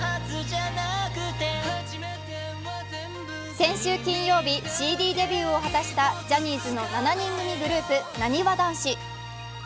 先週金曜日、ＣＤデビューを果たしたジャニーズの７人組グループ、なにわ男子。